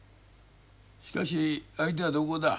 しかし相手は土工だ。